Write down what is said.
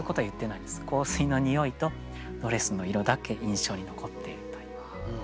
香水の匂いとドレスの色だけ印象に残っているという。